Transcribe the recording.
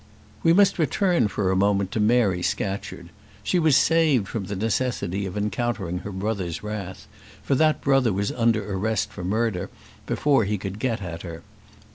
We must return for a moment to Mary Scatcherd. She was saved from the necessity of encountering her brother's wrath, for that brother was under arrest for murder before he could get at her.